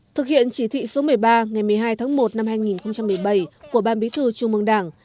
thực hiện chỉ thị số một mươi ba ngày một mươi hai tháng một năm hai nghìn một mươi bảy của ban bí thư trung mương đảng